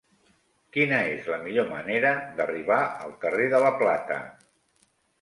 Quina és la millor manera d'arribar al carrer de la Plata?